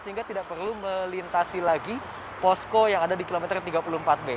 sehingga tidak perlu melintasi lagi posko yang ada di kilometer tiga puluh empat b